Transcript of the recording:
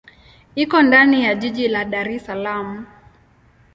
Iko ndani ya jiji la Dar es Salaam.